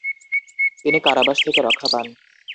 তিনি কারাবাস থেকে রক্ষা পান।